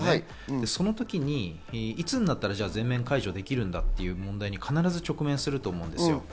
その時にいつになったら全面解除できるんだっていう問題に必ず直面すると思うんです。